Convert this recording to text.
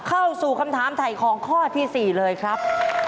เข้าสู่คำถามถ่ายของข้อที่๔เลยครับ